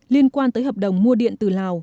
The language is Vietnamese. liên quan tới hợp đồng mua điện từ lào